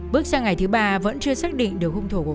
bước sang ngày thứ ba vẫn chưa xác định điều hung thủ của vụ án